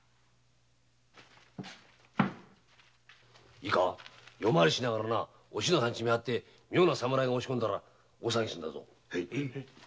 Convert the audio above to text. いいか夜回りしながらお篠さんの家を見張って妙な侍が押し込んだら大騒ぎするんだぞ。